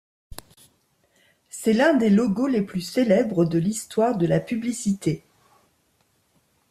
C'est l'un des logos les plus célèbres de l'histoire de la publicité.